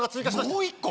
もう１個？